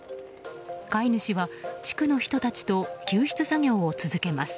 飼い主は、地区の人たちと救出作業を続けます。